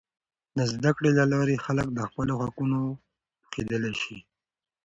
د زده کړې له لارې، خلک د خپلو حقونو پوهیدلی سي.